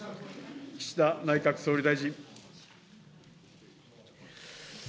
岸田内閣総理大臣。